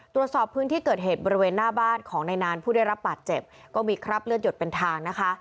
ตรวจสอบพื้นที่เกิดเหตุบริเวณหน้าบ้านของนายนานผู้ได้รับบาดเจ็บก็มีคราบเลือดหยดเป็นทางนะคะ